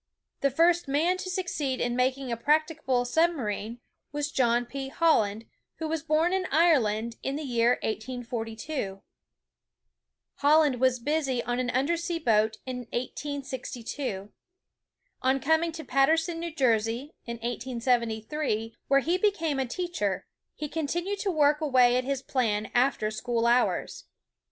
The first man to succeed in making a practicable sub marine was John P. Holland, who was born in Ireland in the year 1842. Holland was busy on an under sea boat in 1862. On coming to Paterson, New Jersey, in 1873, where he be came a teacher, he continued to work away at his plan after school hours.